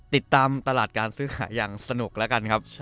ติดตามตลาดการซื้อขายอย่างสนุกแล้วกันครับ